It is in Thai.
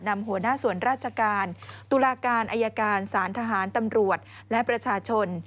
นำหัวหน้าส่วนราชการตุลาการอายการสารทหารตำรวจและประชาชน